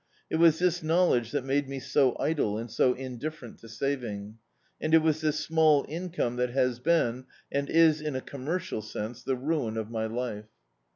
It was this knowledge that made me so idle and so indifferent to saving; and it was this small income that has been, and is in a commercial sense, the ruin of my life.